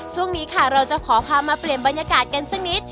ช่วงนี้ค่ะเราจะขอพามาเปลี่ยนบรรยากาศกันสักนิด